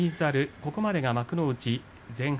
ここまで幕内前半。